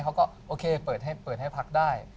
เขาก็โอเคเปิดให้พักได้